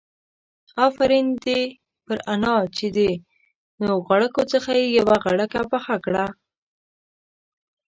آفرين دي پر انا چې د نو غړکو څخه يې يوه غړکه پخه کړه.